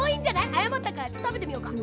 あやまったからちょっとたべてみようか。